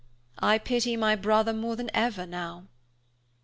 I pity my brother more than ever now."